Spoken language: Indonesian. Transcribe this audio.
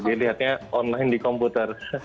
jadi lihatnya online di komputer